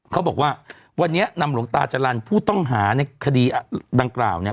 เขาบอกว่าวันนี้นำหลวงตาจรรย์ผู้ต้องหาในคดีดังกล่าวเนี่ย